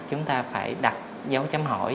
chúng ta phải đặt dấu chấm hỏi